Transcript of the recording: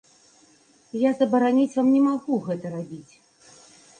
Я забараніць вам не магу гэта рабіць.